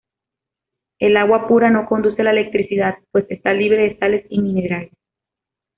El agua pura no conduce la electricidad, pues está libre de sales y minerales.